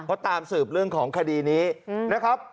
เพราะตามสืบเรื่องของคดีนี้นะครับ